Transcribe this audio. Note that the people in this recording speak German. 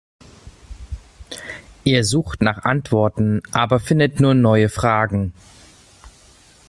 Ihr sucht nach Antworten, aber findet nur neue Fragen.